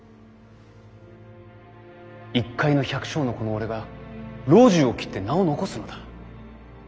一介の百姓のこの俺が老中を斬って名を遺すのだ。